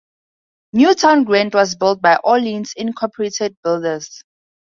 Newtown Grant was built by Orleans, Incorporated builders.